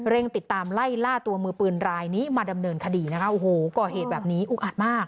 ติดตามไล่ล่าตัวมือปืนรายนี้มาดำเนินคดีนะคะโอ้โหก่อเหตุแบบนี้อุกอัดมาก